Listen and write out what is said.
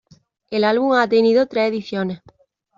El álbum ha tenido tres ediciones.